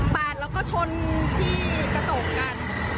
ปาดแล้วก็ชนที่กระโต๊ะกัน